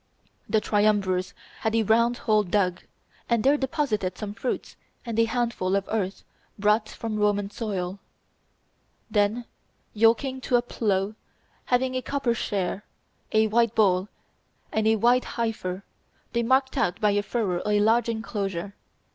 The triumvirs had a round hole dug, and there deposited some fruits and a handful of earth brought from Roman soil; then yoking to a plough, having a copper share, a white bull and a white heifer, they marked out by a furrow a large enclosure.